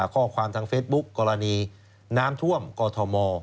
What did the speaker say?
ข้อความทางเฟซบุ๊คกรณีน้ำท่วมกอทม